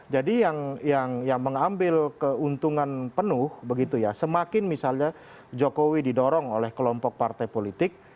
jadi yang mengambil keuntungan penuh begitu ya semakin misalnya jokowi didorong oleh kelompok partai politik